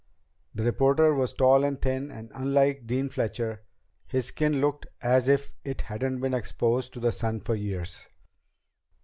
The reporter was tall and thin, and unlike Dean Fletcher, his skin looked as if it hadn't been exposed to the sun for years.